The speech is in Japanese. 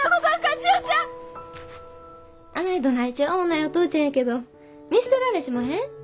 千代ちゃん！あないどないしょうもないお父ちゃんやけど見捨てられしまへん。